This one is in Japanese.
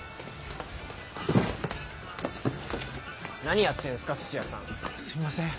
何やってんすか土屋さん！